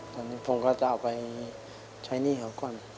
ตอนนี้ผมก็จะเอาไปใช้หนี้เขาก่อน